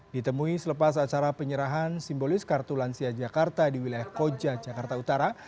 ditemui selepas acara penyerahan simbolis kartu lansia jakarta di wilayah koja jakarta utara